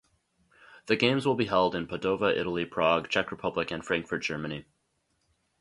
The games will be held in Padova, Italy, Prague, Czech Republic and Frankfurt, Germany.